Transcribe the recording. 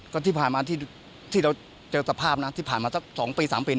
ก็ที่ผ่านมาที่เราเจอสภาพนะที่ผ่านมาสัก๒ปี๓ปี